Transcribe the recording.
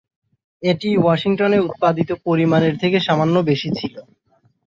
এটি ওয়াশিংটনে উৎপাদিত পরিমাণের থেকে সামান্য বেশি ছিল।